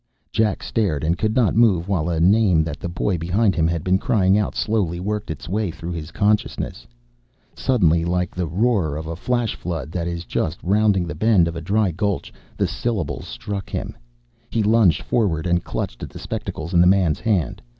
Jack stared and could not move while a name that the boy behind him had been crying out slowly worked its way through his consciousness. Suddenly, like the roar of a flashflood that is just rounding the bend of a dry gulch, the syllables struck him. He lunged forward and clutched at the spectacles in the man's hand.